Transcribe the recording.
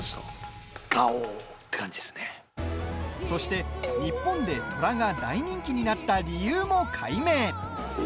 そして、日本でトラが大人気になった理由も解明。